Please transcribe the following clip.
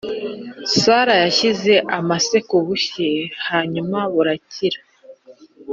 sara yashyize amase ku bushye hanyuma burakira.